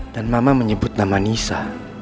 dan mama menyebut nama nisa